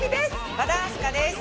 和田明日香です。